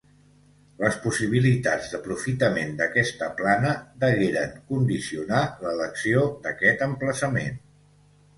Les possibilitats d'aprofitament d'aquesta plana degueren condicionar l'elecció d'aquest emplaçament.